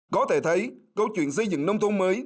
có thể thấy câu chuyện xây dựng nông thôn mới